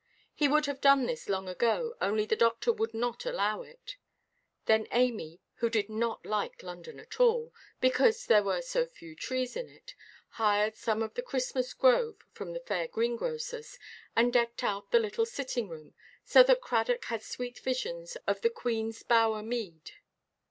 He would have done this long ago, only the doctor would not allow it. Then Amy, who did not like London at all, because there were so few trees in it, hired some of the Christmas–grove from the fair greengrocers, and decked out the little sitting–room, so that Cradock had sweet visions of the Queenʼs bower mead.